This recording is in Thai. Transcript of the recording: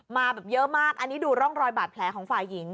มาแบบเยอะมากอันนี้ดูร่องรอยบาดแผลของฝ่ายหญิง